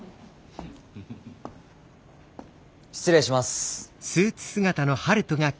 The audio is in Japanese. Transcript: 失礼します。